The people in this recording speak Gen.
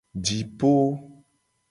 Jipo.